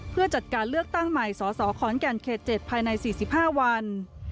เพื่อจัดการเลือกตั้งใหม่สสขอนแก่นเขต๗ภายใน๔๕วัน